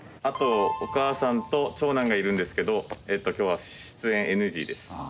あとお母さんと長男がいるんですけど今日は出演ＮＧです。